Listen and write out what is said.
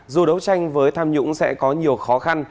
dù đấu tranh với tham nhũng sẽ có nhiều khó khăn